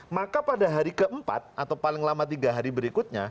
nah kalau hari ke empat atau paling lama tiga hari berikutnya